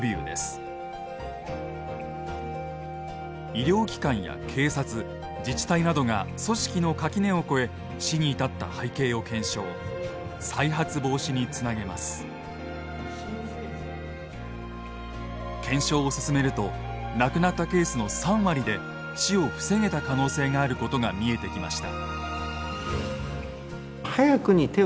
医療機関や警察自治体などが組織の垣根を越え検証を進めると亡くなったケースの３割で死を防げた可能性があることが見えてきました。